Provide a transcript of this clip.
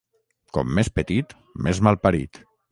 Com més petit més malparit.